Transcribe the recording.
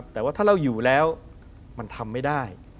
แต่ว่าถ้าเราอยู่แล้วมันทำไม่ได้